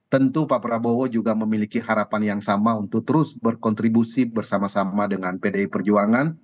tentu pak prabowo juga memiliki harapan yang sama untuk terus berkontribusi bersama sama dengan pdi perjuangan